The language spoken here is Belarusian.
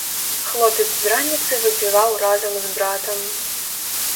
Хлопец з раніцы выпіваў разам з братам.